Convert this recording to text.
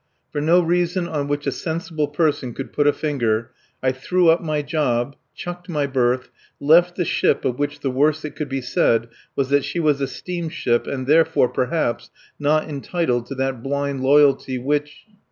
For no reason on which a sensible person could put a finger I threw up my job chucked my berth left the ship of which the worst that could be said was that she was a steamship and therefore, perhaps, not entitled to that blind loyalty which.